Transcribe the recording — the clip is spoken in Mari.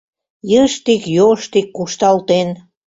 Йыштик-йоштик кушталтен